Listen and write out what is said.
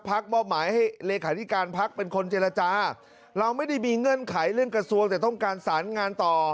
มอบหมายให้เลขาธิการพักเป็นคนเจรจาเราไม่ได้มีเงื่อนไขเรื่องกระทรวงแต่ต้องการสารงานต่อ